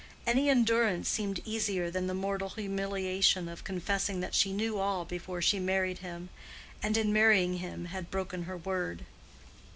Any endurance seemed easier than the mortal humiliation of confessing that she knew all before she married him, and in marrying him had broken her word.